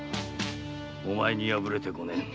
お前に敗れて五年。